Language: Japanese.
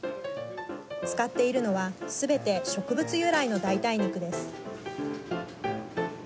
使っているのはすべて植物由来の代替肉です。